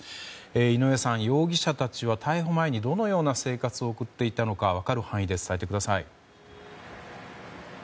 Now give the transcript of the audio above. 井上さん、容疑者たちは逮捕前にどのような生活を送っていたのか分かる範囲で伝えてください。